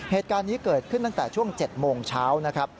เหตุการณ์นี้เกิดขึ้นตั้งแต่ช่วง๗โมงเช้านะครับ